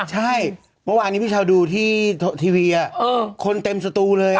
ใช่เมื่อวานนี้พี่เช้าดูที่ทีวีคนเต็มสตูเลย